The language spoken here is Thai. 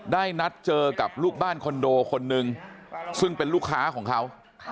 ได้นัดเจอกับลูกบ้านคอนโดคนนึงซึ่งเป็นลูกค้าของเขา